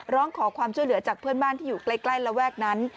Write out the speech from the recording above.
ร้องขอความช่วยเหลือจากเพื่อนบ้านที่อยู่ใกล้ระแวกนั้น